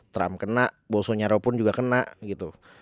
trump kena bolsonaro pun juga kena gitu